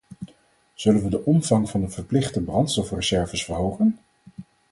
Zullen we de omvang van de verplichte brandstofreserves verhogen?